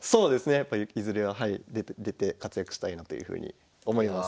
やっぱいずれは出て活躍したいなというふうに思います。